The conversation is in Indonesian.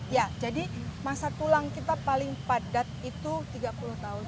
ya jadi masa tulang kita paling padat itu tiga puluh tahun